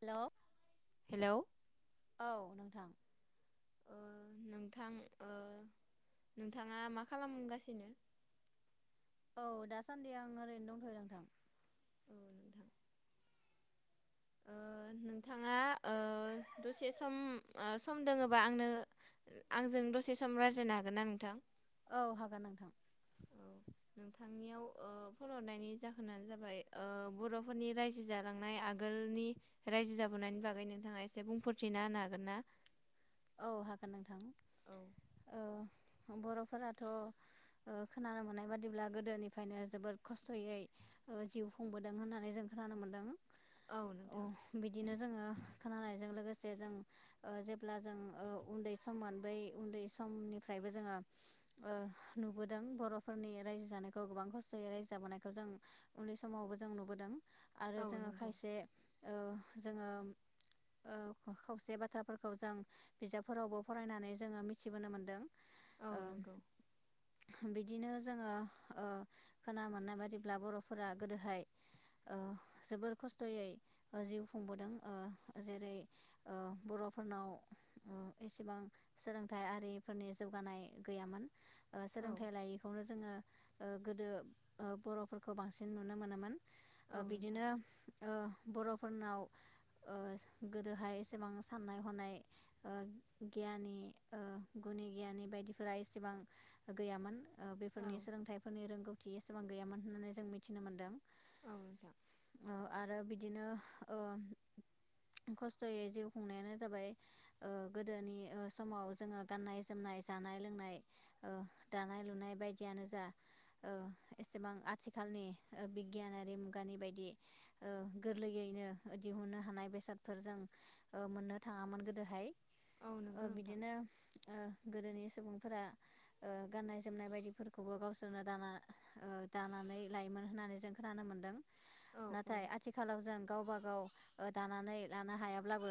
हेल' hello औ नोंथां नोंथां ओ नोंथाङा मा खालामगासिनो औ दासान्दि आं ओरैनो दंथ'यो नोंथां औ नोंथां ओ नोंथाङा ओ दसे सम ओ सम दोङोबा आंनो आंजों दसे सम रायज्लायनो हागोन ना नोंथां औ हागोन नोंथां औ नोंथांनियाव ओ फन हरनायनि जाहोनानो जाबाय ओ बर'फोरनि रायजो जालांनाय आगोलनि रायजो जाबोनायनि बागै नोंथाङा एसे बुंफोरथिना होनो हागोन ना औ हागोन नोंथां औ ओ बर'फोराथ' ओ खोनानो मोननाय बादिब्ला गोदोनिफ्रायनो जोबोद खस्थ'यै जिउ खुंबोदों होननानै जों खोनानो मोन्दों औ अ नोंथां बिदिनो जोङो खोनानायजों लोगोसे जों ओ जेब्ला जों ओ उन्दै समान बै उन्दै समनिफ्रायबो जोङो ओ नुबोदों बर'फोरनि रायजो जानायखौ गोबां खस्थ'यै रायजो जाबोनायखौ जों उन्दै समावबो जों नुबोदों आरो औ जोङो नंगौ खायसे ओ जोङो ओ खावसे बाथ्राफोरखौ जों बिजाबफोरावबो फरायनानै जोङो मिथिबोनो मोनदों ओ औ नंगौ बिदिनो जोङो ओ खोना मोननाय बादिब्ला बर'फोरा गोदोहाय ओ जोबोर खस्थ'यै ओ जिउ खुंबोदों ओ जेरै ओ बर'फोरनाव एसेबां सोलोंथाइ आरिफोरनि जौगानाय गैयामोन ओ औ सोलोंथाइ लायैखौनो जोङो गोदो बर'फोरखौ बांसिन नुनो मोनोमोन औ ओ नोंथां बिदिनो ओ बर'फोरनाव गोदोहाय एसेबां साननाय हनाय गियानि गुनि गियानि बायदिफोरा एसेबां गैयामोन औ बेफोरनि सोलोंथाइफोरनि रोंगौथि एसेबां गैयामोन होननानै जों मिथिनो मोनदों औ नोंथां आरो बिदिनो ओ खस्थ'यै जिउ खुंनायानो जाबाय ओ गोदोनि समाव जोङो गाननाय जोमनाय जानाय लोंनाय दानाय लुनाय बायदियानो जा एसेबां आथिखालनि बिगियानारि मुगानि बायदि गोरलैयैनो दिहुनो हानाय बेसादफोर जों मोननो थाङामोन गो दहाय औ नंगौ ओ नोंथां बिदिनो ओ गोदोनि सुबुंफोरा गाननाय जोमनाय बायदिफोरखौबो गावसोरनो दाना ओ दानानै लायोमोन होननानै जों खोनानो मोन्दों औ औ नाथाय आथिखालाव जों गावबा गाव दानानै लानो हायाब्लाबो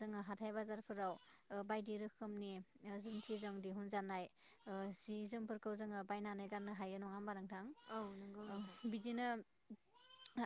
जोङो हा हाथाइ बाजारफोराव बायदि रोखोमनि जुंथिजों दिहुनजानाय जि जोमफोरखौ जोङो बायनानै गाननो हायो नङा होमबा नों थां औ नंगौ नोंथां औ बिदिनो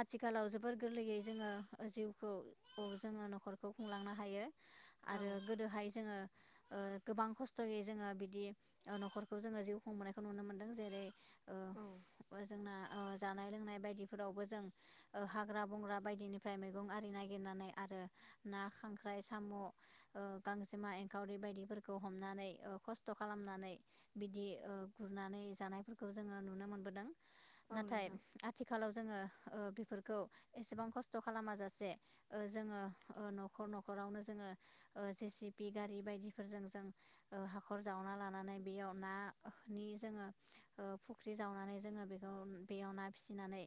आथिखालाव जोबोर गोरलैयै जोङो जिउखौ जोङो न'खरखौ खुंलांनो हायो औ आरो गोदोहाय जोङो ओ गोबां खस्थ'यै जोङो बिदि न'खरखौ जोङो जिउ खुंबोनायखौ नुनो मोनदों जेरै ओ औ जोंना ओ जानाय लोंनाय बायदिफोरावबो जों ओ हाग्रा बंग्रा बायदिनिफ्राय मैगं आरि नागिरनानै आरो ना खांख्राय सा साम' ओ गांजेमा एंखावरि बायदिफोरखौ हमनानै खस्थ' खालामनानै बिदि ओ गुरनानै जानायफोरखौ जोंङो नुनो मोनबोदों। औ नाथाय नोंथां आथिखालाव जोंङो ओ बेफोरखौ एसेबां खस्थ' खालामाजासे ओ जोंङो न'खर न'ख हाखरावनो जोंङो ओ जेसिपि गारि बायदिफोरजों जों हाखर जावना लानानै बेयाव नानि जोंङो ओ फुख्रि जावनानै जोंङो बेखौ बेयाव ना फिसिनानै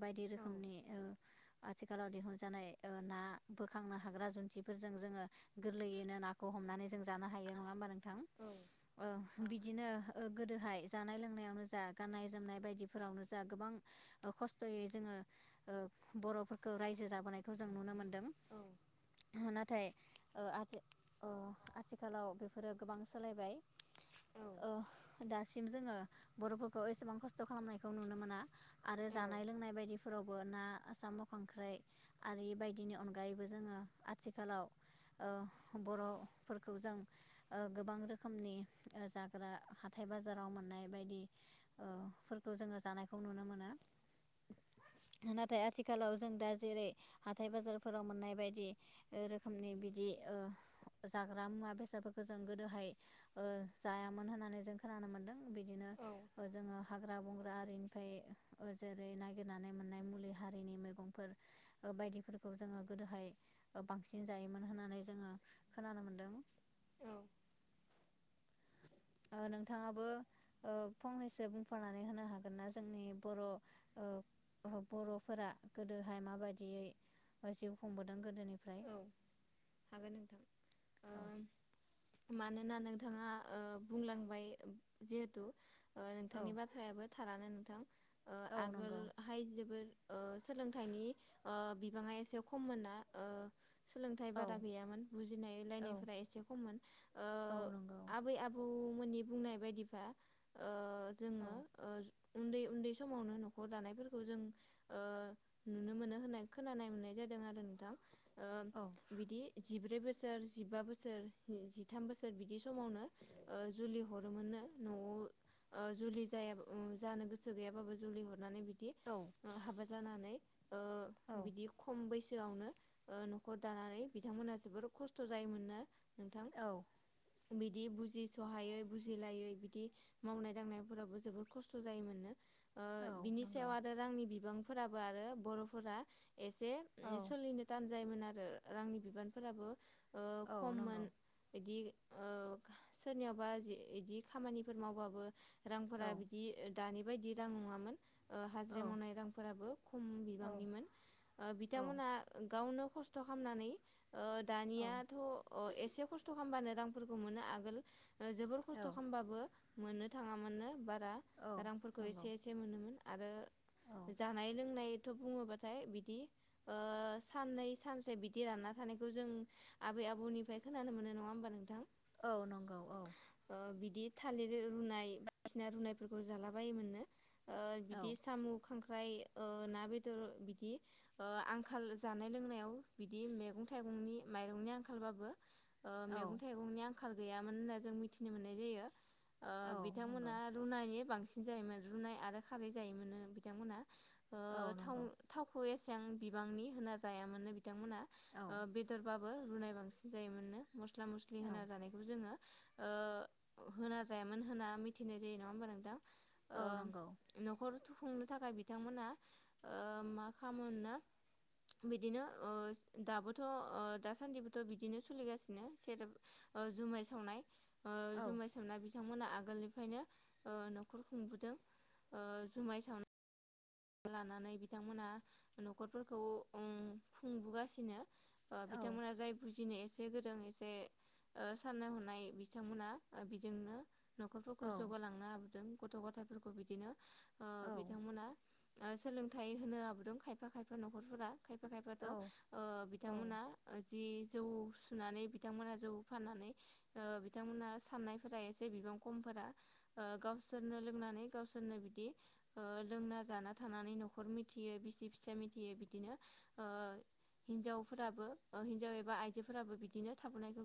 बायदि औ रोखोमनि आथिखालाव दिहुनजानाय ओ ना बोखांनो हाग्रा जुन्थि फोरजों जोंङो गोरलैयैनो नाखौ हमनानै जों जानो हायो नङा होमबा नोंथां? औ ओ बिदिनो गोदोहाय जानाय लोंनायावनो जा गाननाय जोमनाय बायदिफोरावनो जा गोबां खस्थ'यै जोंङो बर'फोरखौ रायजो जाबोनायखौ जों नुनो मोनदों। औ नाथाय ओ आथि ओ आथिखालाव बेफोरो गोबां सोलायबाय ओ औ दासिम जोंङो बर'फोरखौ एसेबां खस्थ' खालामनायखौ नुनो मोना आरो जानाय लोंनाय बायदिफोरावबो ना साम' खांख्राइ आरि बायदिनि अनगायैबो जोंङो आथिखालाव ओ बर'फोरखौ जों गोबां रोखोमनि जाग्रा हाथाइ बाजाराव मोननाय बायदिफोरखौ जोंङो जानायखौ नुनो मोनो नाथाय आथिखालाव जों दा जेरै हाथाइ बाजारफोराव मोननाय बायदि रोखोमनि बिदि ओ जाग्रा मुवा बेसादफोरखौ जों गोदोहाय ओ जायामोन होननानै जों खोनानो मोन्दों बिदिनो औ जोंङो हाग्रा बंग्रा आरिनिफ्राय जेरै नागिरनानै मोननाय मुलि हारिनि मैगंफोर ओ बायदिफोरखौ जोंङो गोदोहाय बांसिन जायोमोन होननानै जोंङो खोनानो मोन्दों। औ ओ नोंथाङाबो ओ फंनैसो बुंफानानै होनो हागोनना जोंनि बर' ओ बर'फोरा गोदोहाय माबायदियै ओ जिउ खुंबोदों गोदोनिफ्राय? औ हागोन नोंथां औ मानोना नोंथाङा ओ बुंलांबाय जिहेथु ओ औ नोंथांनि बाथ्रायाबो थारानो थां ओ औ आगोल नंगौ हाय जोबोर ओ सोलोंथाइनि ओ बिबाङा एसे खममोन ना ओ सोलों औ दा गैयामोन बुजिनाय औ होनलायनायफोरा एसे खममोन ओ औ नंगौ आबै आबौ मोननि बुंनाय बायदिबा ओ औ जोंङो ओ उन्दै उन्दै समावनो न'खर दानायफोरखौ जों ओ नुनो मोनो होननाय खोनानाय मोननाय जादों आरो नोंथां। ओ औ बिदि जिब्रै बोसोर जिबा बोसोर जिथाम बोसोर बिदि समावनो ओ जुलि हरोमोननो न'आव ओ जुलि जाया जानो गोसो गैयाबाबो जुलि हरनानै बि बि औ हाबा जानानै ओ औ बिदि खम बैस सिगांआवनो ओ न'खर दानानै बिथांमोनहा जोबोर खस्थ' जायोमोननो। नोंथां औ बिदि बुजिस'हायै बुजिलायै बिदि मावनाय दांनायफोराबो जोबोद खस्थ' जायोमोननो। ओ औ बिनि सायाव नंगौ आरो रांनि बिबां फोराबो आरो बर'फोरा एसे औ ओ सोलिनो थान जायोमोन आरो रांनि बिबानफोराबो ओ औ नंगौ खममोन बिदि ओ सोरनियावबा जि इदि खामानिफोर मावबाबो औ रांफोरा बिदि दानि बायदि रां नङामोन। ओ हाजिरा मावनाय रांफोराबो खम औ बिबांनिमोन ओ औ बिथांमोना गावनो खस्थ खामनानै ओ दानियाथ' अ एसे खस्थ' खामबानो रांफोरखौ मोनो आगोल जोबोर खस्थ' खामबाबो मोननो थाङा मोननो बाट औ रांफोरखौ नंगौ एसे एसे मोनोन आरो औ जानाय लोंनाय बुङोबाथाय बिदि ओ साननै सानसे बिदि रानना थानायखौ जों आबै आबौनिफ्राय खोनानो मोनो नङा होमबा नोंथां औ नंगौ औ ओ बिदि थालिर रुनाय बायदिसिना रुनायफोरखौ जाला बायोमोननो ओ औ बिदि साम' खांख्राय ओमफ्राय ओ ना बेदर बिदि ओ आंखाल जानाय लोंनायाव बिदि मैगं थाइगंनि माइरंनि आंखालबाबो औ मैगं थाइगंनि आं आंखाल गैयामोन होनना जों मिथिनो मोननाय जायो। ओ औ नंगौ बिथांमोना रुनायै बांसिन जायोमोन रुनाय आरो खारै जायोमोनो बिथांमोनहा ओ औ नंगौ था-थावखौ बिबांनि होना जायामोननो बिथांमोना औ ओ बेदरबाबो रुनाय बांसिन जायोमोन नो मस्ला मस्लि औ होना जानायखौ जोङो ओ होना जायामोन होनना मिथिनाय जायो नङा होमबा नोंथां औ नंगौ ओम न'खर खुंनो थाखाय बिथांमोना ओ मा खालामोननो बिदिनो ओ दाबोथ' ओ दासान्दिबोथ' बिदिनो सोलिगासिनो सेरेब जुमाय सावनाय ओ जुमाय सोमना बिथांमोना आ गोलनिफ्रायनो ओ न'खर खुंबोदों ओ जुमाय सावनानै लानानै बिथांमोना न'खरफोरखौ अं खुंबोगासिनो ओ बिथांमोना जाय बुजिनो एसे गोरों एसे ओ साननाय हनाय बिथांमोना बेजोंनो न'खरफोरखौ जौगालांनो हाबोदों गथ' गथायफोरखौ बिदिनो ओ बिथांमोना ओ सोलोंथाइ होनो आबोदों खायफा खायफा न'खरफोरा। खायफा खायफाथ' ओ बिथांमोना जि जौ सुनानै बिथांमोनहा जौ फाननानै ओ बिथांमोना साननायफोरा एसे बिबां खमफोरा गावसोरनो लोंनानै गावसोरनो बिदि ओ लोंना जाना थानानै न'खर मिथियै बिसि फिसाइ मिथियै बिदिनो ओ हिन्जावफोराबो ओ हिनजाव एबा आइजोफोराबो बिदिनो थाबोनायखौ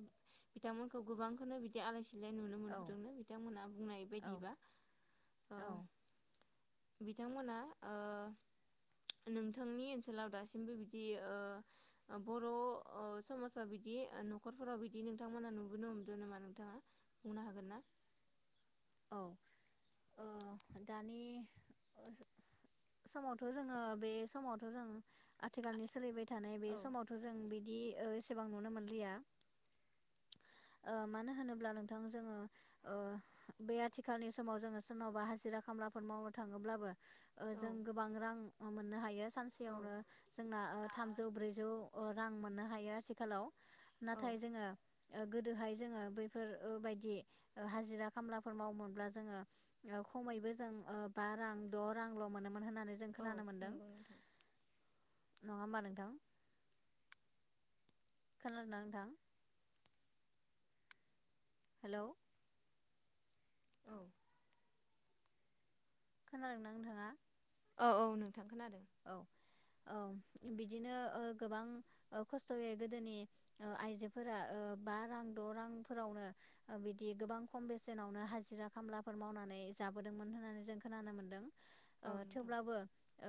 बिथांमोनखौ गोबांखोनो बिदि आलासि सिलाइ बिलाइ नुनो मोनबोदोंनो बिथांमोनहा बुंनाय बादिबा ओ बिथांमोना ओ नोंथांनि ओनसोलाव दासिमबो बिदि ओ बर' ओ समाजाव बिदि न'खरफोराव बिदि नोंथांमोनहा नुबोनो हमदों नामा नोंथाङा बुंनो हागोन ना? औ ओ दानि समावथ' जोङो बे समावथ' जों आथिखालनि सोलिबाय थानाय बे औ समावथ' जों बिदि एसेबां नुनो मोनलिया ओ मानो होनोब्ला नोंथां जोङो ओ बे आथिखालनि समाव जोङो सोरनावबा हाजिरा खामलाफोर मावनो थाङोब्लाबो ओ औ जों गोबां रां मोननो हायो औ सानसेयावनो जोंना ओ थामजौ ब्रैजौ ओ रां मोननो हायो आथिखालाव औ नाथाय जोङो ओ गोदोहाय जोङो बैफोर ओ बायदि हाजिरा खामलाफोर मावोमोनब्ला जोङो ओ खमैबो जों ओ बा रां द' रांल' मोनोमोन। मोन होननानै जों औ खोनानो मोनदों। नंगौ नोंथां नङा होमबा नोंथां? खोनादों ना नोंथां? हेल'। औ खोनादोंना नोंथाङा? औ औ नोंथां खोनादों। औ ओम बिदिनो ओ गोबां ओ खस्थ'यै गोदोनि ओ आइजोफोरा ओ बा रां द' रांफोरावनो बिदि गोबां खम बेसेनावनो हाजिरा खामलाफोर मावनानै जाबोदोंमोन होननानै जों खोनानो मोन्दों। औ ओ नोंथां थेवब्लाबो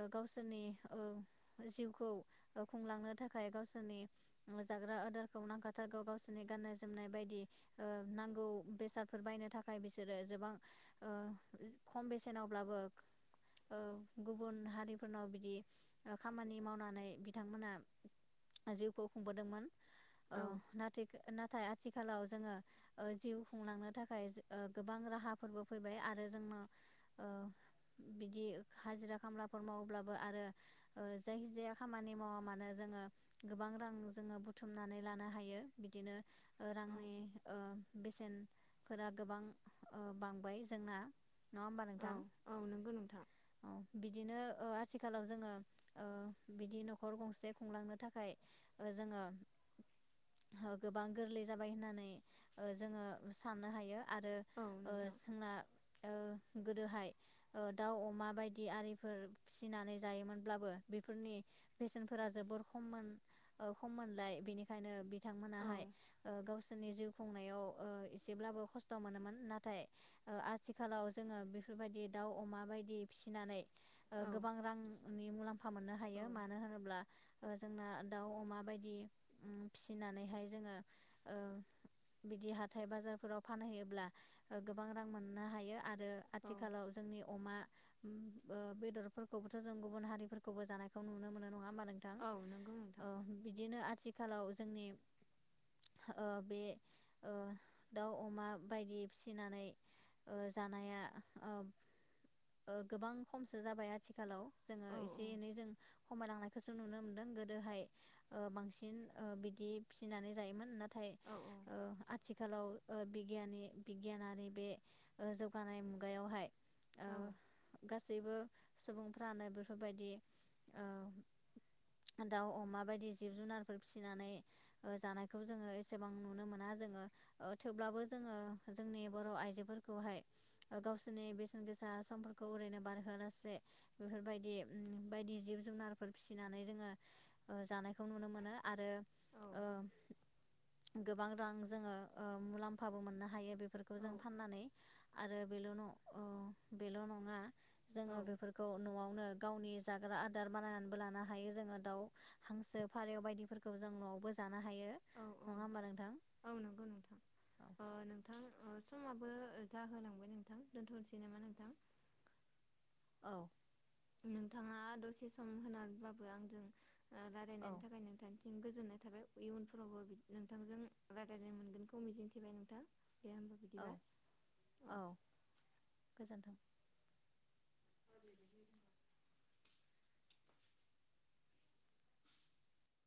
ओ गावसोरनि ओ जिउखौ ओ खुंलांनो थाखाय गावसोरनि जाग्रा आदारखौ नांखाथारगौ गावसोरनि गाननाय जोमनाय बायदि ओ नांगौ बेसादफोर बायनो थाखाय बिसोरो जोबां ओ खम बेसेनावब्लाबो ओ गुबुन हारि फोरनाव बिदि ओ खामानि मावनानै बिथांमोना जिउखौ खुंबोदोंमोन। ओ औ नाथिगो नात थाय आथिखालाव जोङो ओ जिउ खुंलांनो थाखाय ओ गोबां राहाफोरबो फैबाय आरो जोंनो ओ बिदि हाजिरा खामलाफोर माव ब्लाबो आरो ओ जायखिजाया खामानि मावा मानो जोङो गोबां रां जोङो बुथुमनानै लानो हायो बिदिनो ओ औ रांनि ओ बेसेनफोरा गोबां ओ बांबाय जोंना। न होमबा नोंथां औ औ नंगौ नोंथां ओ बिद दिनो ओ आथ थिखालाव जोङो ओ बिदि नखर गंसे खुंलांनो थाखाय ओ जोङो हो गोबां गोरलै जाबाय होननानै ओ जोङो साननो हायो। आरो औ ओ नोंथां सोंना ओ गोदोहाय ओ दाउ अमा बायदि आरिफोर फिसिनानै जायोमोनब्लाबो बेफोरनि बेसेनफोरा जोबोर खममोन ओ खममोनलाय बेनिखायनो औ बिथांमोनाहाय ओ गावसोरनि जिउ खुंनायाव ओ इसेब्लाबो खस्थ मोनोमोन नाथाय ओ आथिखालाव जोङो बेफोरबायदि दाउ अमा बायदि फिसिनानै औ नि मुलाम्फा मोननो हा औ हायो मानो होनोब्ला ओ जोंना दाउ अमा बायदि फिसिनानैहाय जोङो ओ बिदि हाथाय बाजारफोराव फानहैयोब्ला ओ गोबां रां मोननो हायो आरो औ आथिखालाव जोंनि अमा उम ओ बेद दोरफोरखौबोथो जों गुबुन हारिफोरखौबो जानायखौ नुनो मोनो नङा। मा नोंथां औ नंगौ ओ नोंथां बिदिनो आथिग। आथिखालाव जोंनि ओ बे ओ दाउ अमा बायदि फिसिनानै ओ जानाया ओ ओ गोबां खमसि। जाबाय आथिखालाव जोङो औ इसे औ एनै जों खमायलांनायखौसो नुनो मोनदों गोदोहाय ओ बांसिन ओ बिदि फिनानै जायोमोन नाथाय औ ओ आथिखालाव ओ बिगियानि बिगियानारि बे जौगानाय ओ मुगायावहाय ओ औ गासैबो। सुबुंफ्रानो बेफोरबायदि ओ दाउ, अमा बायदि जिब जुनारफोर फिसिनानै ओ जानायखौ जोङो एसेबां नुनो मोना जोङो ओ थोब्लाबो जोङो जोंनि बर' आइजोफोरखौहाय गावसोरनि बेसेन गोसा समफोरखौ ओरैनो बारहोनोसि। बे बेफोरबायदि उम बायदि जिब- जुनारफोर फिनानै जोङो ओ जानायखौ नुनो मोन आरो ओ गोबां रां जोङो ओम मुलाम्फाबो मोननो हायो बेफोरखौ जों फाननानै आरो बेल' नङ अ बेल' नङा जोङो बेफ। फोरखौ न'आवनो गावनि जाग्रा आदार बानायनानैबो लानो हायो जोङो दाउ, हांसो, फारेव बायदिफोरखौ जों न'आवबो जानो हायो। औ नङा -औ- होमबा नोंथां औ नोगो नोंथां औ ओ नोंथां ओ। फुमाबो जाहोलांबाय नोंथां दोनथ नोसै नामा नोंथां। औ। नोंथाङा दसे सम होनानबाबबो आंदों। ओ औ रायलायनायनि थाखाय नोंथां। गोजोननाय थाबाय इयुनफोरावबो बिद नोंथांजों रायजायनो मोनगोनखौ मिजिंथिबाय नोंथां। दे होमबा औ बिदिबा औ। गोजोन्थों। [unintelligible]